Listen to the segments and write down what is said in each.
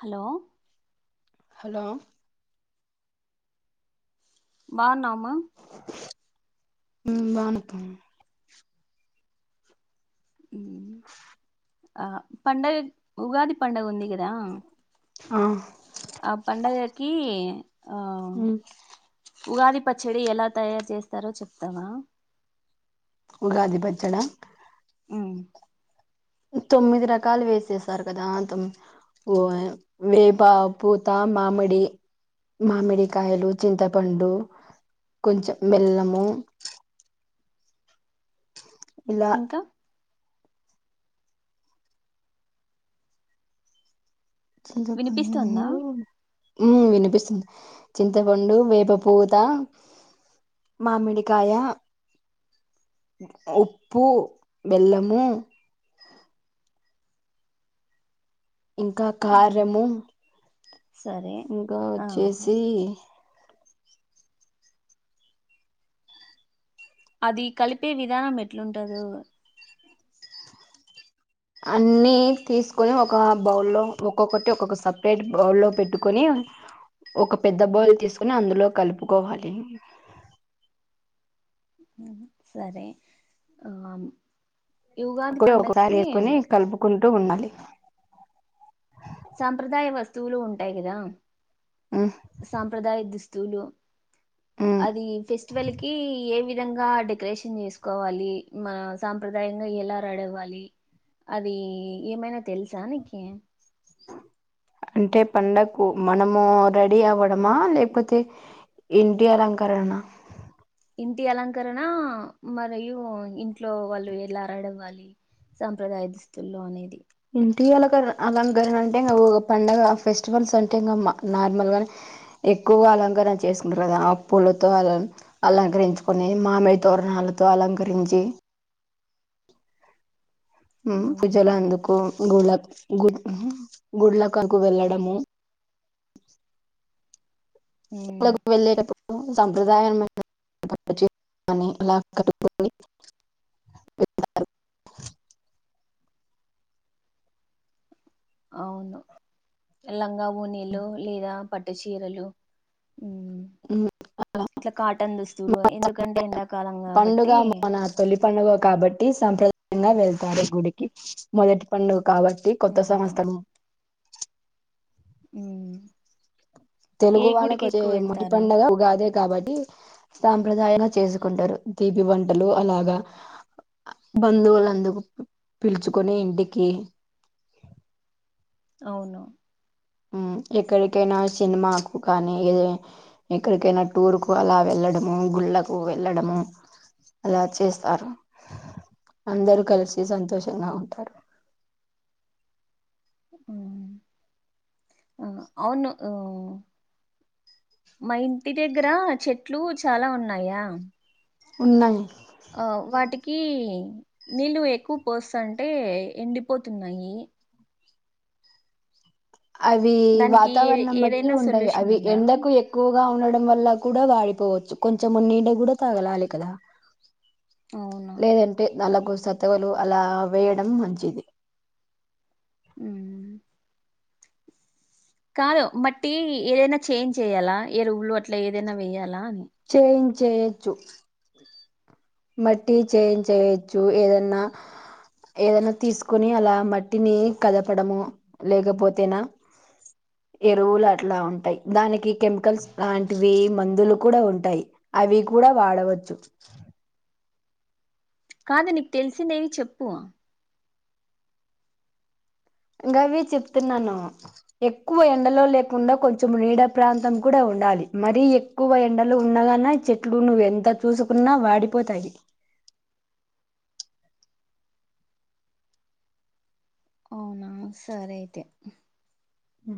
Hello hello బాన్నామ్ మ ఊ బానప ఉ ఆ పండగ ఉగాది పండగ ఉంది గదా ఆ ఆ పండగ కి అ ఉగాది పచ్చడి ఎలా తయారు చేస్తారో చెప్తావా ఉగాది పచ్చడ ఉమ్, తొమ్మిది రకాలు వేసేసారు కదా తోమ్మి వేప పూత మామిడి మామిడికాయలు చింతపండు కొంచెం బెల్లము ఇలా ఇంకా వినిపిస్తుందా [unintelligible] వినిపిస్తుంది చింతపండు వేప పూత మామిడికాయ ఉప్పు బెల్లము ఇంకా ఉమ్, కారము సరే ఇంకా ఆ వచ్చేసి అది కలిపే విధానం ఎట్లుంటదు అన్ని తీసుకొని ఒక బౌల్లో ఒక్కొక్కటి ఒక్కొక్క సపరేట్ బౌల్లో పెట్టుకొని ఒక పెద్ద బౌల్ తీసుకొని అందులో కలుపుకోవాలి సరే ఆ ఈ ఉగాది ఒకసారి పండక్కి వేసుకొని కలుపుకుంటూ ఉండాలి సాంప్రదాయ వస్తువులు ఉంటాయి కదా ఉమ్ సాంప్రదాయ దుస్ [unintelligible] ఉమ్ అది ఫెస్టివల్ కి ఏ వి విధంగా డెకరేషన్ చేసుకోవాలి మ సాంప్రదాయంగా ఎలా రెడీఅవ్వాలి అది ఏమైనా తెలుసా నీకు అంటే పండక్కు మనము రెడీ అవ్వడమా లేకపోతే ఇంటి అలంకారనామా ఇంటి అలంకరణ మరియు ఇంట్లో వాళ్ళు ఎలా రెడీఅవ్వాలి సాంప్రదాయ దుస్తుల్లో అనేది ఇంటి అలకరణ అలంకరణ అంటే ఇంకా పండగ ఫెస్టివల్స్ అంటే ఇంకా మా నార్మల్గానే ఎక్కువగా అలంకరణ చేసుకుంటారు కదా అప్పులతో అ అలంకరించుకొని మామిడి తోరణాలతో అలంకరించి అవును పూజలు అందుకు గుళ గు గుళ్ళకునుకొని వెళ్ళడము ఉమ్ [unintelligible] వెళ్ళ సాంప్రదాయం [inaudible] అలా కట్టుని అవును ఎలాంగా నీలో లేదా పట్టు చీరలు హు ఇట్లా కాటన్ దుస్తులు ఎందుకంటే ఎండాకాలం పండుగ కాబట్టి ఉండ వెళ్తారు గుడికి మొదటి పండు కాబట్టి కొత్త అవును సంవత్సరం [unintelligible] హు తెలుగు వాళ్లకు వచ్చే మొదటి పండగ ఉగాది కాబట్టి సాంప్రదాయంగా చేసుకుంటారు దీపి వంటలు అలాగా బంధువులందుకు పిలుచుకుని ఇంటికి అవును హు ఎక్కడికైనా సినిమాకు కానీ ఏద ఎక్కడికైనా టూర్ కు అలా వెళ్ళడము గుళ్ళకు వెళ్ళడము అలా చేస్తారు అందరూ కలిసి సంతోషంగా ఉంటారు హు ఆ అవును మా ఇంటి దగ్గర చెట్లు చాలా ఉన్నాయా ఉన్నాయి ఆ వాటికి నీళ్ళు ఎక్కువ పోస్తంటే ఎండిపోతున్నాయి అవి దానికి ఏ వాతావరణం బట్టి ఏదైనా ఉండయి సొల్యూషన్ అవి ఉందా ఎఎండకు ఎక్కువ గా ఉండడం వల్ల కూడా వాడిపోవచ్చు కొంచెం నీడ కూడా తాగలాలి కదా అవునా నాలుగు సతవులు అలా వేయడం మంచిది అ కాదు మట్టి ఏదైనా చేంజ్ చేయ్యాలా ఏరుువలు అట్లా ఏదైనా వయ్యాలా అని చేన్ చేయొచ్చు మట్టి చే చేయచ్చు ఏదన్నా ఏదన్నా తీసుకుని అలా మట్టిని కదపడము లేకపోతేనా ఎరువులు అట్లా ఉంటాయి దానికి కెమికల్స్ లాంటివి మందులు కూడా ఉంటాయి అవి కూడా వాడవచ్చు కాదు నీకు తెలిసిందేవి చెప్పు ఇంకావి చెప్తున్నాను ఎక్కువ ఎండలో లేకుండా కొంచెం నీడ ప్రాంతం కూడా ఉండాలి మరీ ఎక్కువ ఎండలో ఉండగాన చెట్లు నువవు ఎంత చూసుకున్నా వాడిపోతాయి అవునా సర అయితే హ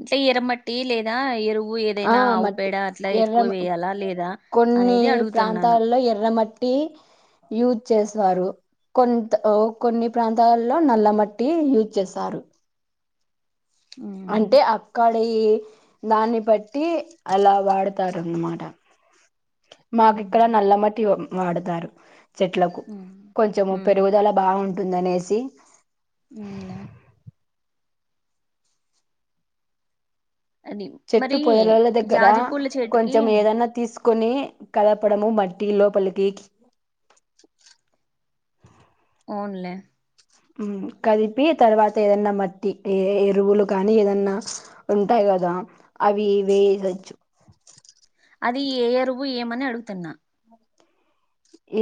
అంటే ఎరమట్టి లేదా ఎరువు ఆ ఏదైనా మట్టి ఆవుపేడ అట్లా ఎక్కువ ఎర్ర వేయాలా లేదా అనేది అడుగుతున్నాను ట్టి యూజ్ చేస్తారు కొ కొన్ని ప్రాంతాల్లో నల్ల మట్టి యూజ్ చేస్తారు అంటే మ్మ్ అక్కడ దాన్ని బట్టి అలా వాడతారు అన్నమాట మాకు మ్మ్ ఇక్కడ నల్ మటి వాడతారు చెట్లకు ఉమ్ కొంచెము ఉమ్ పెరుగుదల బాగుం ఉందనేసి అవునులే అది చెట్టు మరి పొదలల దగ్గర జాజి పూల చెట్టుకి కొంచెం ఏదన్నా తీస్ కుని కలపడము మట్టి లోపలికి అవున్లే మ్ కలిపి తర్వాత ఏదన్నా మట్టి ఏ ఎరువులు కానీ ఏదన్నా ఉంటాయి కదా, అవి వేయచ్చు. అది ఏ ఎరువు ఏమని అడుగుతున్నా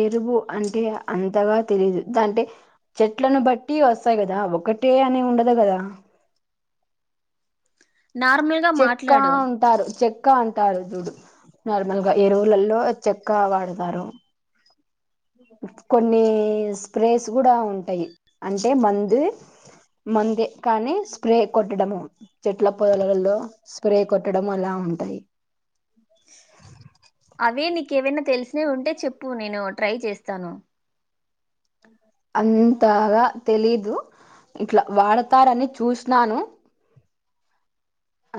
ఎరువు అంటే అంతగా తెలీదు అంటే చెట్లను బట్టి వస్తాయి కదా ఒకటే అని ఉండదు కదా నార్మల్ గా చెక్క మాట్లాడు ఉంటారు చె చెక్క అంటారు చూడు నార్మల్ గా ఎరువులలో చెక్క వాడతారు కొన్ని స్ప్రేస్ కూడా ఉంటాయి, అంటే మందు మందు కానీ స్ప్రే కొట్టడము చెట్ల పొదలలో స్ప్రే కొట్టడం అలా ఉంటాయి. అవే నీక ఏవైనా తెలిసిన ఉంటే చెప్పు నేను ట్రై చేస్తాను అంతగా తెలీదు ఇట్లా వాడతారని చూసినాను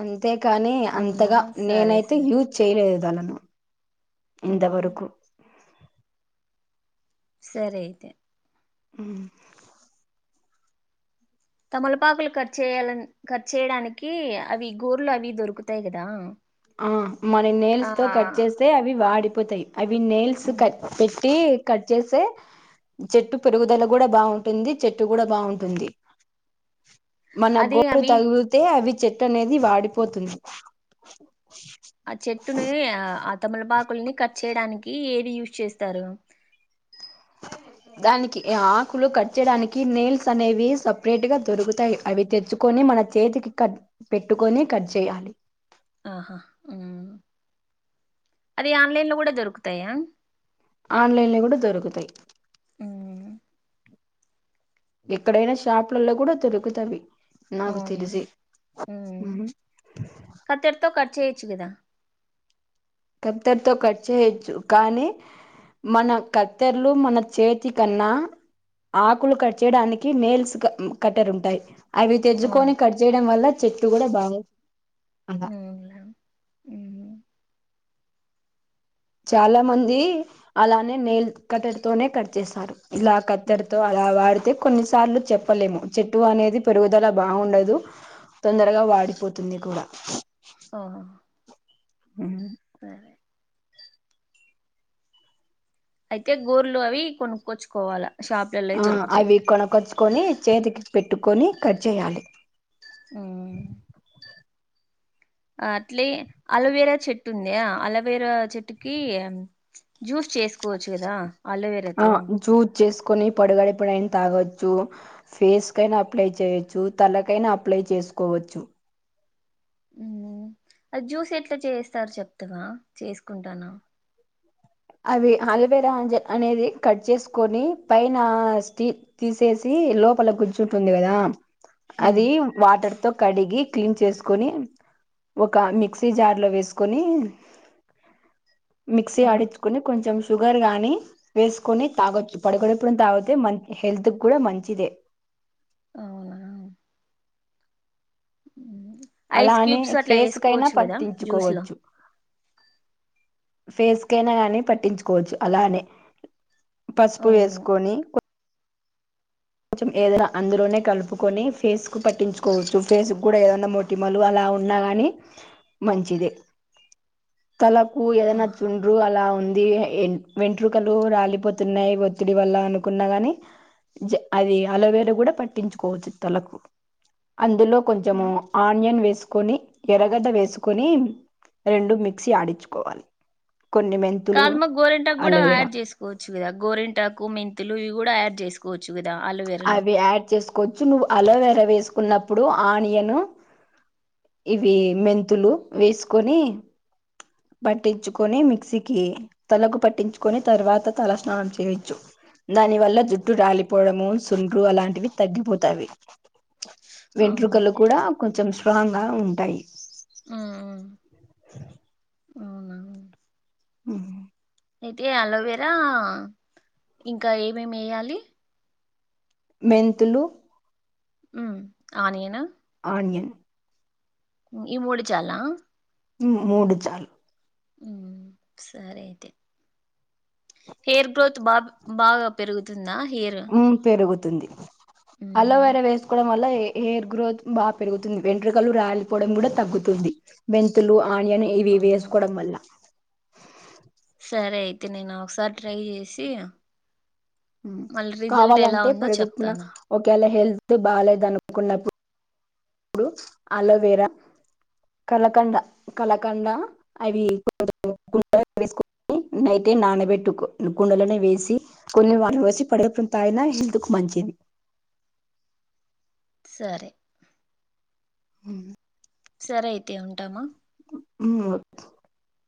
అంతే కానీ అవునా అంతగా సరే నేనైతే సరే యూజ్ చేయలేదులను ఉమ్ ఎంతవరకు సరే అయితే అ తమలపాకులు ఖర్చు చేయాలని ఖర్చు చేయడానికి అవి గోర్లు అవి దొరుకుతాయి కదా ఆ మన నేల్స్ ఆ తో కట్ చేస్తే అవి వాడిపో పతై అవి నెయిల్స్ ఉమ్ కట్ పెట్టి కట్ చేసే చెట్టు పెరుగుదల కూడా బాగుంటుంది చెట్టు కూడా బాగుంటుంది మన అదే గోడు అవి తగితే అవి చెట్టు అనేది వాడిపోతుంది ఆ చెట్టునే తములపాకుల్ని కట్ చేయడానికి ఏది యూజ్ చేస్తారు దానికి ఆకులు కట్ చేయడానికి నెయిల్స్ అనేవి సపరేట్ గా దొరుకుతాయి అవి తెచ్చుకొని మన చేతికి కట్ పెట్టుకొని కట్ చేయాలి ఆహా అది ఆన్లైన్ లో కూడా దొరుకుతాయా ఆన్లైన్ లో కూడా దొరుకుతాయి ఎక్కడైనా షాపులలో కూడా దొరుకుతవి నాకు ఓన్లీ తెలిసి ఉమ్ చేయిచుకుదా కతెర్తో కట్ చేేయొచ్చు కానీ మన కత్తెర్లు మన చేతి కన్నా ఆకులు కట్ చేయడానికి మేల్స్ కట్టెరు ఉంటాయి. అవి తెరుచ్చుకొని అవును కట్ చేయడం వల్ల చె ఇటు కూడా బాగు అ చాలా మంది అలానే నేలు కట్టడితోనే కట్ చేసారు ఇలా కత్తెడితో అలా వాడితే కొన్నిసార్లు చెప్పలేము చెట్టు అనేది పెరుగుదల బాగుండదు తొందరగా వాడిపోతుంది కూడా ఆ ఆ సరే అయితే గోర్లు అవి కొనుక్కచ్చుకోవాలా ఆ అవి కొనకొచ్చుకొని చేతికి పెట్టు కొని కట్ చేయాలి మ్ అట్లే అలోవేరా చెట్టు ఉందియా అలోవేరా చెట్టుకి జ్యూస్ చేసుకో పో వచ్చు కదా అలోవేరాతో కొన్ని పడుగడి పడిన తాగవచ్చు ఫేస్ కైనా అప్లై చేయొచ్చు తలకైనా అప్లై చేసుకోవచ్చు. ఉ అది జ్యూస్ ఎట్లా చేస్తారు చెప్తవా చేసుకుంటానా అవి అలోవేరాంజ అనేది కట్ చేసుకొని పైన స్టీల్ తీసేసి లోపల గుర్చుంటుంది కదా అది వాటర్ తో కడిగి క్లీన్ చేసుకొని ఒక మిక్సీ జార్ లో వేసుకొని మిక్సీ ఆడి కొంచెం షుగర్ గానీ వేసుకొని తాగొచ్చు పడుకునప్పుడు తాగితే మ హెల్త్ కూడా మంచిదే అవునా ఐస్ అలానే క్యూబ్స్ అట్లా ఫేస్ కైనా వేసుకోవచ్చు కదా జ్యూస్ లో పట్టించుకోవచ్చు ఫేస్ కేన్గాని పట్టించుకోవచ్చు అలానే పసుపు అవును వేసుకొని కొంచెం ఏదైనా అందులోనే కలుపుకొని ఫేస్ కు పట్టించుకోవచ్చు ఫేస్ కూడా ఏదన్నా మొటిమలు అలా ఉన్నా కాని మంచిదే తల ఊ ఏదన్నా ఆహా చుండ్రు అలా ఉంది ఇది వెంట్రుకలు రాలిపోతున్నాయి ఒత్తిడి వల్ల అనుకున్నా గాని అది అలవేలు కూడా పట్టించుకోవచ్చు తలకు అందులో కొంచెము ఆనియన్ వేసుకొని ఎరగడ్డ వేసుకొని రెండు మిక్సీ ఆడించుకోవాలి. కొన్ని మెంతులు కాదు మా గోరింటాకు కూడా అలోవేరా యాడ్ చేసుకోవచ్చు కదా గోరింటాకు మెంతులు ఇవి కూడా యాడ్ చేసుకోవచ్చు కాదా అలోవేర లో కొచ్చు నువ్వు అలోవేరా వేసుకున్నప్పుడు ఆనియన్ ఇవి మెంతులు వేసుకొని పట్టించుకొని మిక్సీకి తలకు పట్టించుకొని తర్వాత తల స్నానం చేయొచ్చు దానివల్ల జుట్టు రాలిపోవడము సుండ్రు అలాంటివి తగ్గిపోతాయి ఆహా వెంట్రుకలు కూడా కొంచెం స్ట్రాంగ్ గా ఉంటాయి ఉమ్ అవునా ఉ అయితే అలోవేరా ఇంకా ఏమేమి వేయాలి మెంతులు ఉ ఆనియనా ఆనియన్ ఈ మూడు చాలా మూడు చాలు సరే అయితే హెయిర్ గ్రోత్ బా బాగా పెరుగుతుందా హెయిర్ ఉ పేరుగు తుంది అలవేర వేస్కోడం వల్ల హెయిర్ గ్రోత్ బాగా పెరుగుతుంది వెంట్రుకలు రాలిపోవడం కూడా తగ్గుతుంది మెంతులు ఆనియన్ ఇవి అవును వేసుకోవడం వల్ల సరే అయితే నేను ఒకసారి ట్రై చేసి మళ్ళీ రిజల్ట్ ఎలా కావాలంటే ఉందో పడిగుప్పున చెప్తాను ఒకేలా హెల్త్ బాలేదనుకున్నప్పుడు ఇప్పుడు అలోవేరా కలకండ కలకండ అవి వేసుకని నైటే నానబెట్టుకో కుండలోనే వేసి కొన్ని వడ వేసి పడిగడుపున తాగిన హెల్త్ కు మంచిది సరే ఉ సరే అయితే ఉంటామా ఉ